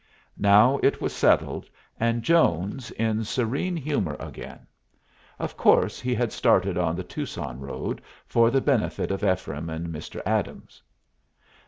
Now it was settled, and Jones in serene humor again. Of course he had started on the Tucson road, for the benefit of Ephraim and Mr. Adams.